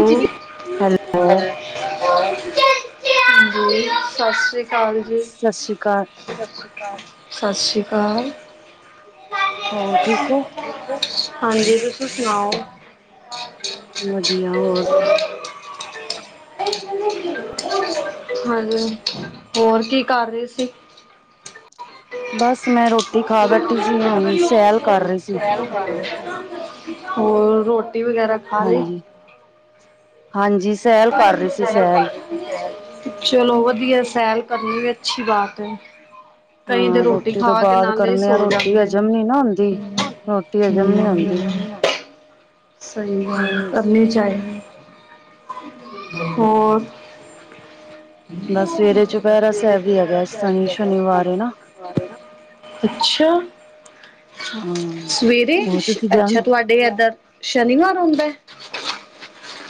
ਹਜੀ ਨ। [unintelligible] ਹ। [unintelligible] ਹਾਂਜੀ। ਸਤਿ ਸ੍ਰੀ ਅਕਾਲ ਜੀ। ਸਤਿ ਸ਼੍ਰੀ ਅਕਾਲ। ਸਤਿ ਸ਼੍ਰੀ ਅਕਾਲ। ਹੋਰ ਠੀਕ ਓ। ਹਾਂਜੀ ਤੁਸੀ ਸੁਣਾਓ। ਵਧੀਆ ਹੋਰ ਹਾਂਜੀ, ਹੋਰ ਕੀ ਕਰ ਰੇ ਸੀ। ਬਸ ਮੈਂ ਰੋਟੀ ਖਾ ਬੈਠੀ ਸੀ ਹੁਣ ਸੈਲ ਕਰ ਰੀ ਸੀ ਹੋਰ ਰੋਟੀ ਵਗੈਰਾ ਖਾ ਲਈ? ਹਾਂਜੀ, ਹਾਂਜੀ ਸੈਲ ਕਰ ਰਹੀ ਸੀ ਸੈਲ। ਚਲੋ ਵਧੀਐ ਸੈਲ ਕਰਨੀ ਅੱਛੀ ਬਾਤ ਐ। ਕਈ ਤੇ ਹਾਂ ਰੋਟੀ ਤੋਂ ਖਾ ਕੇ ਬਾਅਦ ਨਾਲੇ ਈ ਕਰਨੇ ਆ ਸੋ ਰੋਟੀ ਜਾਂਦੇ ਨੇ ਹਜ਼ਮ ਨੀ ਨਾ ਹੁੰਦੀ ਹਮ। ਰੋਟੀ ਹਜ਼ਮ ਨੀ ਹਮ, ਹੁੰਦੀ ਸਹੀ ਗਲ ਹਮ ਕਰਨੀ ਚਾਹੀ ਹੋਰ। ਬਸ ਸਵੇਰੇ ਚੁਪੈਰਾ ਸੈਬ ਈ ਹੈਗਾ ਸਨੀ ਸ਼ਨੀਵਾਰ ਏ ਨਾ। ਅੱਛਾ, ਹਾਂ ਸਵੇਰੇ ਹੋਰ ਤੁਸੀਂ ਜਾਣ ਅੱਛਾ ਤੁਆ ਤੇ ਏਦਾ ਸ਼ਨੀਵਾਰ ਹੁੰਂਦੈ।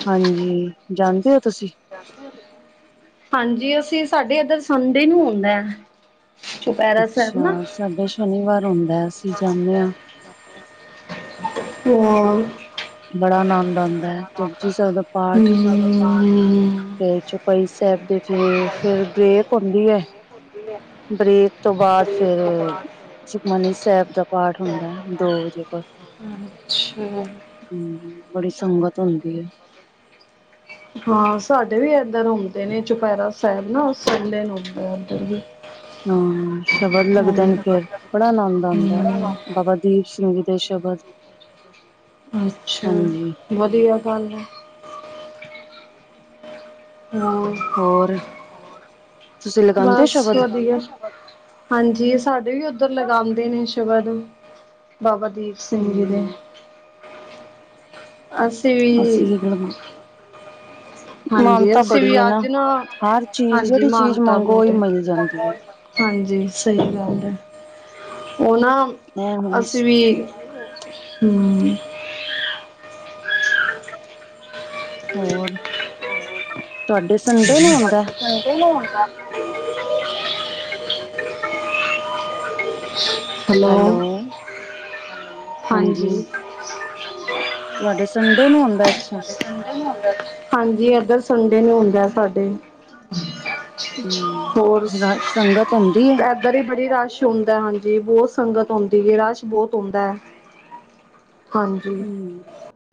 ਹਾਂਜੀ ਜਾਂਦੇ ਓ ਤੁਸੀਂ। ਹਾਂਜੀ ਅਸੀਂ ਸਾਡੇ ਐਧਰ ਸੰਡੇ ਨੂੰ ਹੁੰਦੈ। ਅੱਛਾ ਸਾਡੇ ਸ਼ਨੀਵਾਰ ਹੁੰਦੈ ਅਸੀਂ ਜਾਂਨੇ ਆਂ। ਹੋਰ। ਬੜਾ ਆਨੰਦ ਆਂਦੈ ਜਪ ਜੀ ਸਾਬ ਦਾ ਪਾਠ। [inaudible] ਫਿਰ ਚੌਪਈ ਸੈਬ ਦੇ ਫੇ ਫੇਰ ਬ੍ਰੇਕ ਹੋਂਦੀ ਐ। ਬਰੇਕ ਤੋਂ ਬਾਅਦ ਫਿਰ। ਸੁਕਮਨੀ ਸੈਬ ਦਾ ਪਾਠ ਹੁੰਦੈ ਦੋ ਵਜੇ ਬਾ ਛਾ। ਹੁੰ, ਬੜੀ ਸੰਗਤ ਹੁੰਦੀ ਏ। ਹਾਂ ਸਾਡੇ ਵੀ ਏਧਰ ਹੁੰਦੇ ਨੇ ਚੁਪੈਰਾ ਸੈਬ ਨਾ ਸੰਡੇ ਨੂੰ ਐਦਰ ਵੀ। ਹਾਂ ਸ਼ਬਦ ਲੱਗਦੇ ਨ ਹਮ ਫਿਰ ਬੜਾ ਅਨੰਦ ਹਮ, ਆਂਦੈ, ਬਾਬਾ ਦੀਪ ਸਿੰਘ ਜੀ ਦੇ ਸ਼ਬਦ। ਅੱਛਾ, ਹਾਂਜੀ ਵਧੀਆ ਗੱਲ ਐ। ਹੰ, ਹੋਰ ਤੁਸੀਂ ਲਗਾਉਂਦੇ ਹੋ ਬਸ ਸ਼ਬਦ ਵਧੀਆ। ਹਾਂਜੀ, ਸਾਡੇ ਵੀ ਓਧਰ ਲਗਾਂਦੇ ਨੇ ਸ਼ਬਦ, ਬਾਬਾ ਦੀਪ ਸਿੰਘ ਈ ਦੇ, ਹਮ ਅਸੀਂ ਵੀ ਅਸੀਂ ਵੀ ਲਗਾ ਹਾਂਜੀ, ਮਾਨਤਾ ਅਸੀਂ ਵੀ ਬੜੀ ਹੈ ਅੱਜ ਨਾ, ਹਰ ਚੀਜ਼ ਹਾਂਜੀ ਜਿਹੜੀ ਚੀਜ਼ ਮਾਨਤਾ ਮੰਗੋ ਉਹੀ ਬੋਤ ਏ। ਮਿਲ ਜਾਂਦੀ ਹੈ ਹਾਂਜੀ ਸਹੀ ਗੱਲ ਐ, ਓ ਨਾ ਇਹ ਹੁਣ ਅਸੀਂ ਵੀ ਹੰ ਹੋਰ। ਤੁਹਾਡੇ ਸੰਡੇ ਨੂੰ ਹੁੰਦਾ ਦੇ ਨਹੀਂ ਹਣਦਾ [unintelligible] [unintelligible] ਹੈਲੋ, ਹਾਂਜੀ। ਤੁਆਡਾ ਸੰਡੇ ਨੂੰ ਹਉਦੈ। ਹਾਂਜੀ ਐਧਰ ਸੰਡੇ ਨੂੰ ਹੁੰਦੈ ਸਾਡੇ। ਹੰ, ਰਸ਼ ਸੰਗਤ ਓਂਦੀ ਏ? ਕਦੀ ਬੜੀ ਰਸ਼ ਹੁੰਦੈ, ਹਾਂਜੀ ਬੋਤ ਸੰਗਤ ਓਂਦੀ ਏ ਰਸ਼ ਬੋਤ ਹੁੰਦੈ। ਹਾਂਜੀ। ਹੂੰ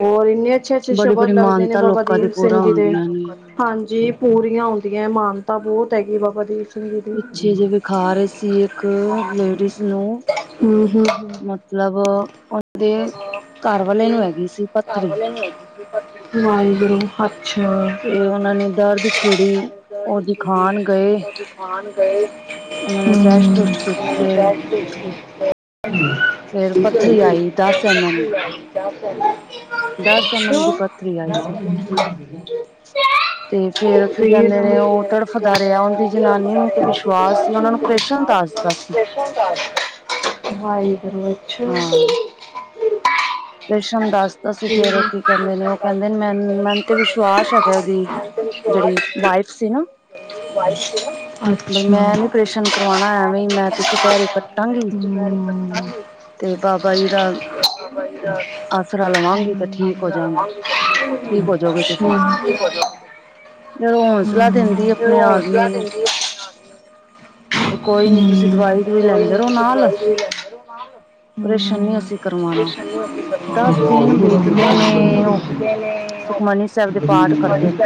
ਹੋ ਇੰਨੇ ਅੱਛੇ-ਅੱਛੇ ਬੜੀ ਸ਼ਬਦ ਬੜੀ ਲੱਗਦੇ ਨੇ ਮਾਨਤਾ ਬਾਬਾ ਲੋਕਾਂ ਦੀ ਦੀਪ ਸਿੰਘ ਪੂਰਾ ਜੀ ਦੇ। ਹੁੰਦੀਆਂ ਨੇ ਹਾਂਜੀ ਪੂਰੀਆਂ ਹੁੰਂਦੀਐ ਮਾਨਤਾ ਬੋਤ ਹੈਗੀ ਬਾਬਾ ਦੀਪ ਸਿੰਘ ਜੀ ਦੀ ਪਿੱਛੇ ਜੇ ਵਿਖਾ ਰਹੇ ਸੀ ਇੱਕ ਲੇਡੀਜ਼ ਨੂੰ, ਹਮ ਹਮ ਮ ਤਲਬ ਪੱਥਰੀ [inaudible] ਤੇ ਓਨਾਂ ਨੇ ਦਰਦ ਛਿੜੀ, ਓ ਦਿਖਾਣ ਗਏ। ਖਾਨ ਗੲੇ, ਉਹਨਾਂ ਨੇ ਹੰ ਟੈਸਟ ਟੁਸਟ ਕੀਤੇ ਫੇਰ ਪੱਥਰੀ ਆਈ ਦਸ ਐਮ ਐਮ ਦੀ [inaudible] [inaudible] ਦਸ ਐਮਮ ਦੀ ਪੱਥਰੀ ਆਈ ਸੀ ਤੇ ਫੇਰ ਕੀ ਫਿਰ ਕਹਿੰਦੇ ਨੇ ਉਹ ਤੜਫਦਾ ਰਿਹਾ, ਉਨਦੀ ਜਨਾਨੀ ਨੂੰ ਤੇ ਵਿਸ਼ਵਾਸ ਸੀ ਉਹਨਾਂ ਨੂੰ ਪ੍ਰੇਸ਼ਨ ਦਸ [inaudible] ਵਾ ਰੋਜਛ [unintelligible] ਉਪਰੇਸ਼ਨ ਦੱਸਦਾ ਸੀ, ਫੇਰ ਕੀ ਕਹਿੰਦੇ ਨੇ ਉਹ ਕਹਿੰਦੇ ਨੇ ਮੈ, ਮੈਨੂੰ ਤੇ ਵਿਸ਼ਵਾਸ ਹੈਗਾ ਉਹਦੀ ਜਿਹੜੀ ਵਾਈਫ ਸੀ ਨਾ ਬਈ ਅੱਛਾ ਮੈਂ ਨੀ ਉਪਰੇਸ਼ਨ ਕਰਵਾਉਣਾ ਐਵੇਂ ਮੈਂ ਤੇ ਚੁਪੈਰ ਕੱ ਜ ਮ ਮੰ [unintelligible] ਤੇ ਬਾਬਾ ਜੀ ਦਾ [unintelligible] ਆਸਰਾ ਹਮ ਲਵਾਂਗੀ ਤੇ [unintelligible] ਠੀਕ ਹੋ ਜਾਗੀ ਠੀਕ ਹੋ ਜਾਓਗੇ ਤੁਸੀਂ ਜਦੋਂ ਹੌਸਲਾ ਦਿੰਦੀ ਆਪਣੇ ਆਦਮੀ ਨੂੰ ਹਮ ਕੋਈ ਨੀ ਤੁਸੀਂ ਦਵਾਈ-ਦਵਾਈ ਲੈਂਦੇ ਰਹੋ ਨਾਲ ਉਪਰੇਸ਼ਾਨ ਨ ਅਸੀਂ ਕਰਵਾਉਣਾ [unintelligible] ਬੜੀ ਬਿੀ ਦਸ ਦਿਨ ਬੀਤਦੇ [unintelligible] ਨੇ ਉਹ ਸੁਖਮਨੀ ਸਾਹਿਬ ਦੇ ਪਾਠ ਦੁਪਹਿਰਾ ਵੀ ਕਰਦੇ ਨੇ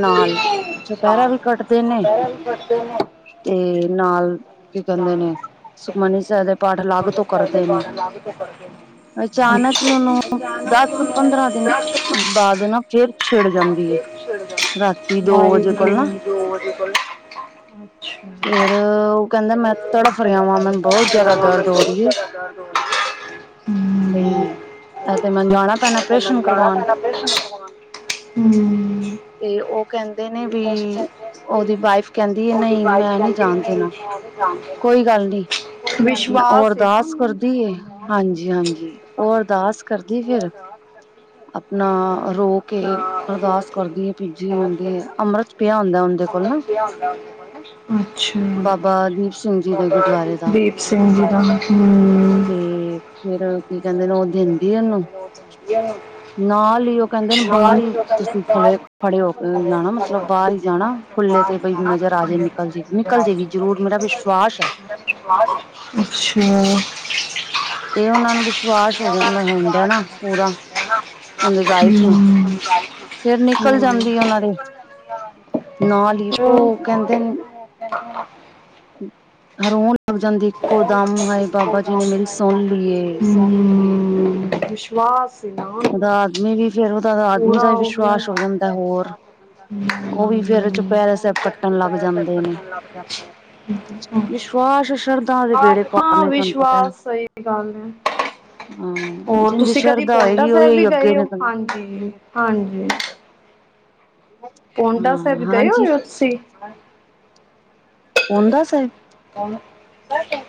ਨਾਲ ਚੁਪਹਿਰਾ ਵੀ ਕੱਟਦੇ ਨੇ ਪੜਦੇ ਨੇ ਤੇ ਨਾਲ ਕੀ ਕਹਿੰਦੇ ਨੇ, ਸੁਖਮਨੀ ਸਾਹਿਬ ਦਾ ਪਾਠ ਅਲੱਗ ਤੋਂ ਕਰਦੇ ਨੇ ਅਲੱਗ ਤੋਂ ਪੜਦੇ ਨੇ ਅਚਾਨਕ ਹੀ ਉਹਨੂੰ, ਦਸ ਪੰਦਰਾਂ ਦਿਨ ਬਾਅਦ ਨਾ, ਫੇਰ ਛਿੜ ਜਾਂਦੀ ਏ ਰਾਤੀ ਦੋ ਵਜੇ ਕੋਲ ਨਾ ਕੋਲਛ [unintelligible] ਫਿਰ ਉਹ ਕਹਿੰਦਾ, ਮੈਂ ਤੜਫ ਰਿਹਾਂ ਵਾਂ, ਮੈਨੂੰ ਬਹੁਤ ਜਿਆਦਾ ਦਰਦ ਹੋ ਰਹੀ ਹੈ ਦਰਦ ਹੋ ਰਹੀ ਹੈ ਬਈ, ਇਹ ਤੇ ਮੈਨੂੰ ਜਾਣਾ ਪੈਣਾ ਆਪਰੇਸ਼ਨ ਕਰਵਾਉਣ ਹਮ ਤੇ ਉਹ ਕਹਿੰਦੇ ਨੇ ਵੀ, ਉਹਦੀ ਵਾਈਫ ਕਹਿੰਦੀ ਹੈ, ਨਹੀਂ, ਮੈਂ ਨਹੀਂ ਜਾਣ ਦੇਣਾ ਕੋਈ ਗੱਲ ਨੀ, ੳਹ ਵਿਸ਼ਵਾਸ ਹੈ ਨਾ ਅਰਦਾਸ ਉਹਨੂੰ ਕਰਦੀ ਹਾਂਜੀ-ਹਾਂਜੀ, ਉਹ ਅਰਦਾਸ ਕਰਦੀ ਫਿਰ ਆਪਣਾ, ਰੋ ਕੇ ਅਰਦਾਸ ਕਰਦੀ ਹੈ ਭਿਜੀ ਹੋਈ ਹੁੰਦੀ, ਅੰਮ੍ਰਿਤ ਪਿਆ ਹੁੰਦਾ ਉਹਦੇ ਕੋਲ ਨਾ ਅੱਛਾ। ਬਾਬਾ ਦੀਪ ਸਿੰਘ ਜੀ ਦੇ ਬਾਬਾ ਗੁਰਦੁਆਰੇ ਦਾ ਦੀਪ ਸਿੰਘ ਜੀ ਦਾ, ਹਮ ਫਿਰ, ਕੀ ਕਹਿੰਦੇ ਨੇ ਹੋਰ? ਦਿੰਦੀ ਉਹਨੂੰ, ਨਾਲ ਹੀ ਉਹ ਕਹਿੰਦੇ ਨੇ ਬਾਹਰ ਹੀ ਤੁਸੀਂ ਖੜੇ, ਖੜੇ ਹੋ ਕੇ ਜਾਣਾ ਮਤਲਬ ਬਾਹਰ ਹੀ ਜਾਣਾ, ਖੁੱਲੇ ਤੇ ਬਈ ਨਜ਼ਰ ਆ ਜੇ, ਨਿਕਲਜੇ। ਨਿਕਲ ਜਾਏਗੀ ਜ਼ਰੂਰ, ਮੇਰਾ ਵਿਸ਼ਵਾਸ ਹੈ। ਅੱਛਾ। ਤੇ ਉਹਨਾ ਨੂੰ ਵਿਸ਼ਵਾਸ ਹੋ ਜਾਂਦਾ ਹੁੰਦਾ ਨਾ, ਪੂਰਾ, ਉਹਦੀ ਵਾਈਫ ਨੂੰ। ਫਿਰ ਅੱਛਾ ਨਿਕਲ ਹਮ, ਜਾਂਦੀ ਉਹਨਾ ਦੇ, ਨਾਲ ਹੀ, ਉਹ ਕਹਿੰਦੇ ਨੇ [unintelligible] ਹਰ ਰੋਣ ਲੱਗ ਜਾਂਦੀ ਇੱਕੋ ਦਮ, ਹਾਏ ਬਾਬਾ ਜੀ ਨੇ ਮੇਰੀ ਸੁਣ ਲਈਏ। ਵਿਸ਼ਵਾਸ ਹੈ ਨਾ ਉਹਦਾ ਉਹਨੂੰ ਆਦਮੀ ਵੀ ਫੇਰ ਉਹਦਾ ਆਦਮੀ ਪੂਰਾ ਦਾ ਵੀ ਹੋ ਗਿਆ ਵਿਸ਼ਵਾਸ ਹੋ ਜਾਂਦਾ ਹੋਰ ਉਹ ਵੀ ਫੇਰ ਹਮ, ਚੁਪਹਿਰੇ ਸਾਹਿਬ ਕੱਟਣ ਲੱਗ ਜਾਂਦੇ ਨੇ ਵਾ ਸ਼ਰਧਾ ਦੇ ਬੇੜੇ ਪਾਰ ਆਤਮਾ ਨੇ ਤੁਹਾਨੂੰ ਪਤਾ ਹੈ ਵਿਸ਼ਵਾਸ ਸਹੀ ਗੱਲ ਹੈ ਹਾਂ ਹੋਰ ਜਿੰਦੀ ਤੁਸੀਂ ਕਦੀ ਸ਼ਰਧਾ ਪਾਉਂਟਾ ਹੋਏਗੀ ਸਾਹਿਬ ਵੀ ਉਹੀ ਅੱਗੇ ਗਏ ਹੋ, ਨਿਕਲ ਹਾਂਜੀ-ਹਾਂਜੀ। ਪਾਉਂਟਾ ਹਾਂ ਸਾਹਿਬ ਗਏ ਹਾਂਜੀ ਹੋਏ ਹੋ ਤੁਸੀਂ ਪਾਉਂਟਾ ਸਾਹਿਬ ਹਾਂਜੀ,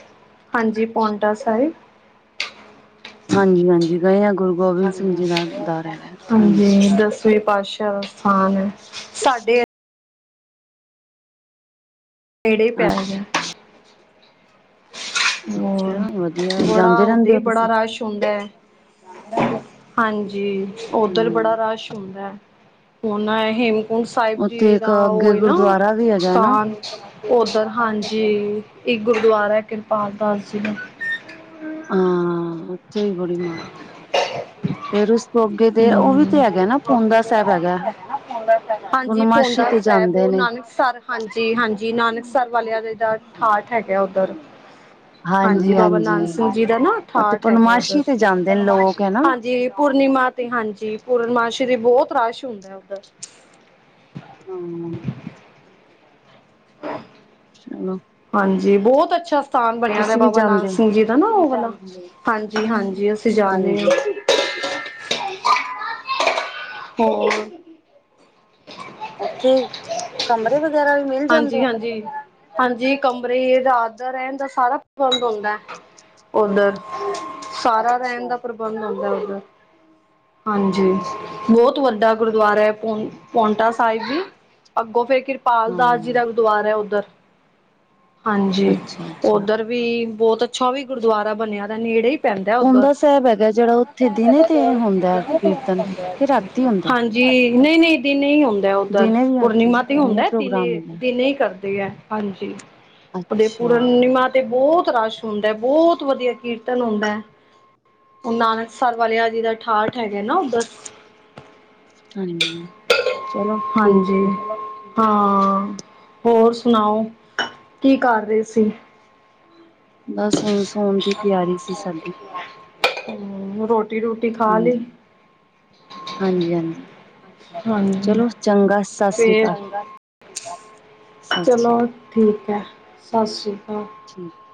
ਪਾਉਂਟਾ ਸਾਹਿਬ। ਹਾਂਜੀ-ਹਾਂਜੀ, ਗਏ ਆਂ ਗੁਰ ਹਾਂਜੀ। ਦਸਵੇ ਪਾਤਸ਼ਾਹ ਸਥਾਨ ਹੈ, ਸਾਡੇ ਨੇੜੇ ਹੀ ਪੈਗਿਆ। ਹੋਰ, ਅੱਛਾ ਵਧੀਆ ਬੜਾ ਜਾਂਦੇ ਓਹਦਾਂ ਰਹਿੰਦੇ ਹੀ ਹੋ ਬੜਾ ਤੁਸੀਂ ਰਸ਼ ਹੁੰਦੈ, ਹਾਂਜੀ। ਉੱਧਰ ਹਮ ਬੜਾ ਰਸ਼ ਹੁੰਦਾ ਐ। ਉਹਨਾ ਏ ਹੇਮਕੁੰਟ ਸਾਹਿਬ ਉੱਥੇ ਜੀ ਇੱਕ ਦਾ ਅੱਗੇ ਉਹ ਏ ਨਾ, ਗੁਰਦੁਆਰਾ ਵੀ ਹੈਗਾ ਨਾ ਸਥਾਨ। ਉੱਧਰ, ਹਾਂਜੀ। ਇੱਕ ਗੁਰਦੁਆਰਾ ਹੈ ਕਿਰਪਾਲ ਦਾਸ ਜੀ ਦਾ। ਹਾਂ, ਉੱਥੇ ਵੀ ਬੜੀ ਮਹਾਨਤਾ। ਫਿਰ ਉਸ ਤੋਂ ਅੱਗੇ ਦੇ ਉਹ ਵੀ ਹਮ ਤੇ ਹੈਗਾ ਨਾ ਪੂੰਦਾ ਸਾਹਿਬ ਹੈਗਾ ਹਾਂਜੀ ਪੂਰਨਮਾਸ਼ੀ ਪੋਂਦਾ ਤੇ ਸਾਹਿਬ, ਜਾਂਦੇ ਉਹ ਨੇ ਨਾਨਕਸਰ ਹਾਂਜੀ-ਹਾਂਜੀ, ਨਾਨਕ ਸਰ ਵਾਲਿਆ ਦੇ ਦਾ ਠਾਠ ਹੈਗਾ ਉੱਧਰ। ਹਾਂਜੀ, ਬਾਬਾ ਨੰਦ ਸਿੰਘ ਜੀ ਦਾ ਨਾ ਉੱਥੇ ਠਾਠ ਹੈਗਾ, ਉੱਧਰ, ਪੂਰਨਮਾਸ਼ੀ ਤੇ ਜਾਂਦੇ ਨੇ ਲੋਕ ਹਨਾ ਹਾਂਜੀ। ਪੂਰਨੀਮਾ ਤੇ, ਹਾਂਜੀ। ਪੂਰਨਮਾਸ਼ੀ ਤੇ ਬਹੁਤ ਰਸ਼ ਹੁੰਦਾ ਏ, ਉੱਧਰ। ਹੰ [inaudible] ਚਲੋ ਹਾਂਜੀ, ਬਹੁਤ ਅੱਛਾ ਸਥਾਨ ਬਣਿਆਦਾ ਤੁਸੀਂ ਵੀ ਬਾਬਾ ਨੰਦ ਜਾਂਦੇ ਸਿੰਘ ਜੀ ਦਾ ਨਾ ਉਹ ਵਾਲਾ, ਹੋ ਹਾਂਜੀ-ਹਾਂਜੀ, ਅਸੀਂ ਜਾਂਦੇ ਹਾਂ। ਹਾਂਜੀ ਹੋਰ? ਉੱਥੇ, ਕਮਰੇ ਵਗੈਰਾ ਵੀ ਮਿਲ ਜਾਂਦੇ? ਜੀ। ਹਾਂਜੀ ਕਮਰੇ, ਰਾਤ ਦਾ ਰਹਿਣ ਦਾ ਸਾਰਾ ਪ੍ਰਬੰਧ ਹੁੰਦਾ। ਉੱਧਰ। ਸਾਰਾ ਰਹਿਣ ਅੱਛਾ ਦਾ ਪ੍ਰਬੰਧ ਹੁੰਦਾ, ਉੱਧਰ। ਹਾਂਜੀ, ਅੱਛਾ ਬਹੁਤ ਵੱਡਾ ਗੁਰਦੁਆਰਾ ਏ, ਪੋਂ, ਪੌਂਟਾ ਸਾਹਿਬ ਵੀ। ਅੱਗੋਂ ਫਿਰ ਕਿਰਪਾਲ ਦਾਸ ਜੀ ਹਾਂ ਦਾ ਗੁਰਦੁਆਰਾ ਹੈ ਉੱਧਰ, ਹਾਂਜੀ। ਅੱਛਾ ਅੱਛਾ ਉੱਧਰ ਵੀ ਬਹੁਤ ਅੱਛਾ ਓਵੀ ਗੁਰਦੁਆਰਾ ਬਣਿਆ ਦਾ ਨੇੜੇ ਹੀ ਪ੍ਹੈਂਦਾ ਉਂਧਰ, ਪੂੰਦਾ ਸਾਹਿਬ ਹੈਗਾ ਜਿਹੜਾ ਉੱਥੇ ਦਿਨੇ ਤੇ ਹੁੰਦਾ ਕੀਰਤਨ ਕਿ ਰਾਤੀ ਹੁੰਦਾ ਹਾਂਜੀ। ਜੀ, ਨਹੀਂ-ਨਹੀਂ ਦਿਨੇ ਈ ਹੁੰਦਾ ਉੱਧਰ, ਦਿਨੇ ਵੀ ਆਤੇ ਹੈ ਪੂਰਨੀਮਾ ਤੇ ਹੁੰਦਾ, ਦਿਨੇ, ਪ੍ਰੋਗਰਾਮ ਹੁੰਦਾ ਦਿਨੇ ਦਿਨੇ ਹੀ ਕਰਦੇ ਆ, ਹਾਂਜੀ ਉਹਦੇ ਅੱਛਾ। ਪੂਰਨੀਮਾ ਤੇ ਬਹੁਤ ਰਸ਼ ਹੁੰਦਾ। ਬਹੁਤ ਵਧੀਆ ਕੀਰਤਨ ਹੁੰਦਾ ਹੈ। ਨਾਨਕਸਰ ਵਾਲਿਆ ਜੀ ਦਾ ਠਾਠ ਹੈਗਾ ਨਾ, ਓੱਧਰ? ਹਾਂਜੀ। ਚਲੋ ਹਾਂਜੀ। ਠੀਕ ਹੈ ਹਾਂ, ਹੋਰ ਸੁਣਾਓ, ਕੀ ਕਰ ਰਹੇ ਸੀ? ਬਸ ਹੁਣ ਸੋਣ ਦੀ ਤਿਆਰੀ ਸੀ, ਸਾਡੀ। ਹੂੰ, ਰ੍ਹੋਟੀ-ਰ੍ਹੁਟੀ ਖਾ ਲਈ? ਹਾਂਜੀ, ਹਾਂਜੀ, ਹਾਂਜੀ ਹਾਂਜੀ, ਚਲੋ ਚੰਗਾ ਸਤਿ ਸ੍ਰੀ ਫੇਰ ਅਕਾਲ, ਸਤਿ ਸ੍ਰੀ ਚਲੋ ਅਕਾਲ ਠੀਕ ਐ, ਸਤਿ ਸ਼੍ਰੀ ਅਕਾਲ। [inaudible]